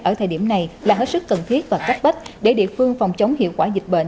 ở thời điểm này là hết sức cần thiết và cấp bách để địa phương phòng chống hiệu quả dịch bệnh